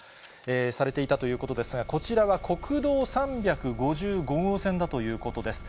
されていたということですが、こちらは国道３５５号線だということです。